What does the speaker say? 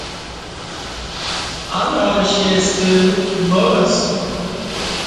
ال عرش ستہ معار اسہ۔